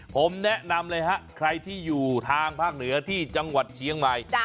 ผมแนะนำเลยฮะใครที่อยู่ทางภาคเหนือที่จังหวัดเชียงใหม่